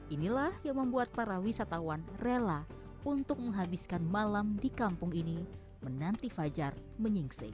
inilah yang membuat para wisatawan rela untuk menghabiskan malam di kampung ini menanti fajar menyingsing